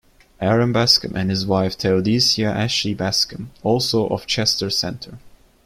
Aaron Bascom and his wife Theodosia Ashley Bascom, also of Chester Center.